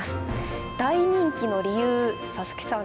大人気の理由佐々木さん